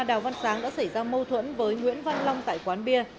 đào văn sáng đã xảy ra mâu thuẫn với nguyễn văn long tại quán bia